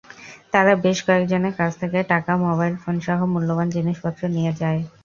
তারা বেশ কয়েকজনের কাছ থেকে টাকা, মোবাইল ফোনসহ মূল্যবান জিনিসপত্র নিয়ে যায়।